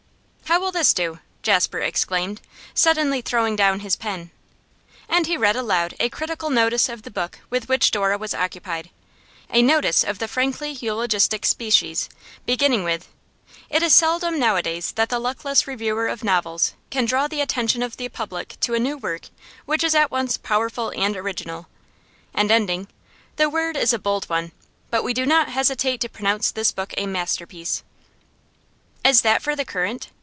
'How will this do?' Jasper exclaimed, suddenly throwing down his pen. And he read aloud a critical notice of the book with which Dora was occupied; a notice of the frankly eulogistic species, beginning with: 'It is seldom nowadays that the luckless reviewer of novels can draw the attention of the public to a new work which is at once powerful and original;' and ending: 'The word is a bold one, but we do not hesitate to pronounce this book a masterpiece.' 'Is that for The Current?